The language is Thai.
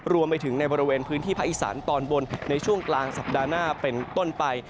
รวมไปถึงในบริเวณพื้นที่ภาคอีสานตอนบนในช่วงกลางสัปดาห์หน้าเป็นต้นไป